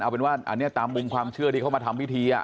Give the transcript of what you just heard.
เอาเป็นว่าอันนี้ตามมุมความเชื่อที่เขามาทำพิธี